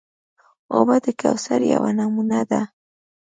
اوبه د کوثر یوه نمونه ده.